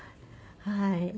はい。